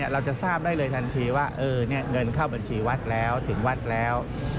เราจะทราบได้เลยทันทีว่าเงินเข้าบัญชีวัดแล้วถึงวัดแล้ว